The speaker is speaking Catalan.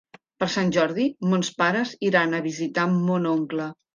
Per Sant Jordi mons pares iran a visitar mon oncle.